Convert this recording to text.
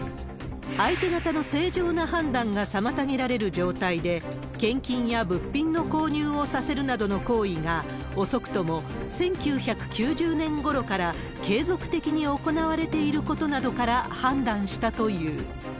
相手方の正常な判断が妨げられる状態で、献金や物品の購入をさせるなどの行為が、遅くとも１９９０年ごろから継続的に行われていることなどから判断したという。